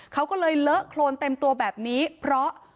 เขาก็เลยเลอะโครนเต็มตัวแบบนี้เพราะ